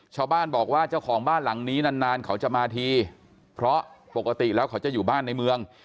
ชาวบ้านบอกว่าเจ้าของบ้านหลังนี้นานนานเขาจะมาทีเพราะปกติแล้วเขาจะอยู่บ้านในเมือง